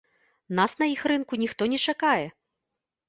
Нас на іх рынку ніхто не чакае!